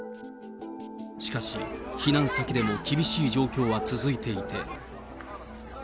しかし、避難先でも厳しい状況は続いていて。